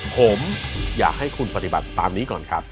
ผมอยากให้คุณปฏิบัติตามนี้ก่อนครับ